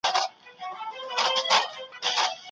موږ ډېر اتڼ وړاندي کوو.